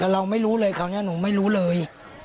เราไม่รู้เลยคราวนี้หนูไม่รู้เลย